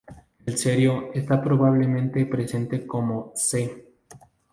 El cerio está probablemente presente como Ce.